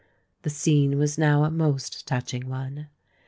The scene was now a most touching one.